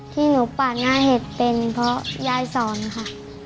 ที่หนูปาดหน้าเห็ดเป็นเพราะยายสอนค่ะ